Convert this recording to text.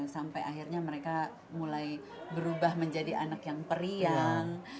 sampai akhirnya mereka mulai berubah menjadi anak yang periang